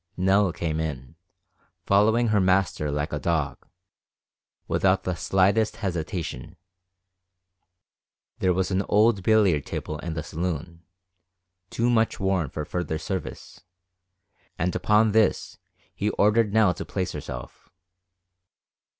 Nell came in, following her master like a dog, without the slightest hesitation. There was an old billiard table in the saloon, too much worn for further service, and upon this he ordered Nell to place herself.